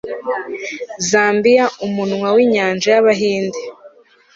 zambiyaumunwa w'inyanja y'abahinde